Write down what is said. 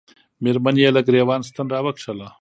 مېرمنې یې له ګرېوان ستن را وکښله.